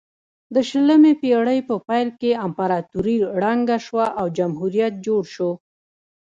د شلمې پیړۍ په پیل کې امپراتوري ړنګه شوه او جمهوریت جوړ شو.